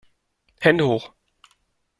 Hände hoch!